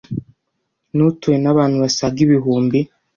n utuwe n abantu basaga ibihumbi